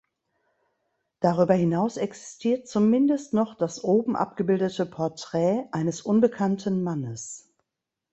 Darüber hinaus existiert zumindest noch das oben abgebildete Porträt eines unbekannten Mannes.